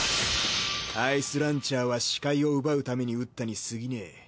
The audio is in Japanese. アイスランチャーは視界を奪うために撃ったにすぎねえ。